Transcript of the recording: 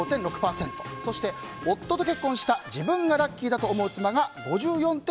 そして夫と結婚した自分がラッキーだと思う妻が５４．４％。